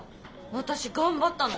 私頑張ったの。